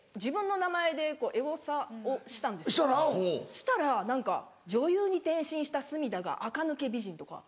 したら何か「女優に転身した隅田があか抜け美人」とか。